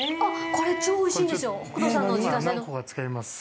これ超おいしいんですよ